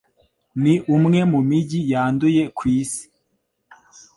Ni umwe mu mijyi yanduye ku isi.